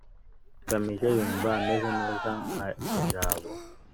ngamije yumva ameze neza nka jabo